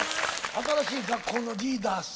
新しい学校のリーダーズ。